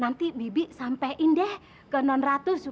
nanti bibik sampein deh ke nonratu